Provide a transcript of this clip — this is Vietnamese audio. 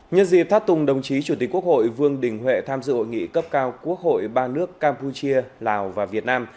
nhân dịp thắt tùng đồng chí chủ tịch quốc hội vương đình huệ tham dự hội nghị cấp cao quốc hội ba nước campuchia lào và việt nam